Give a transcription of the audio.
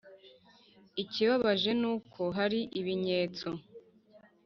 ikibabaje ni uko hari ibinyetso